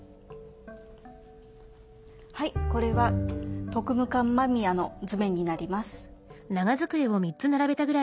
これは特務艦間宮の図面になります。